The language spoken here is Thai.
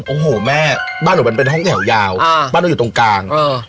โอ้โหแม่บ้านหนูมันเป็นห้องแถวยาวบ้านเราอยู่ตรงกลาง